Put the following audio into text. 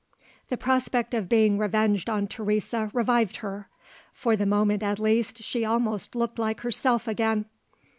The prospect of being revenged on Teresa revived her. For the moment, at least, she almost looked like herself again.